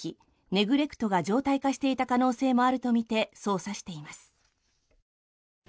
・ネグレクトが常態化していた可能性もあるとみて捜査しています。